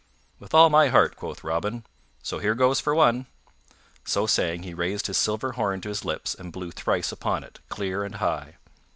"With all my heart," quoth Robin, "so, here goes for one." So saying, he raised his silver horn to his lips and blew thrice upon it, clear and high.